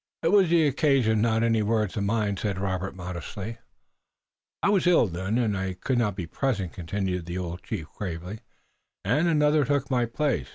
"It was the occasion, not any words of mine," said Robert modestly. "I was ill then, and could not be present," continued the old chief gravely, "and another took my place.